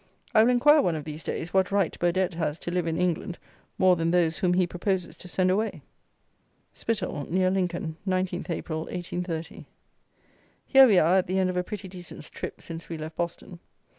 I will inquire, one of these days, what right Burdett has to live in England more than those whom he proposes to send away. Spittal, near Lincoln, 19th April 1830. Here we are, at the end of a pretty decent trip since we left Boston.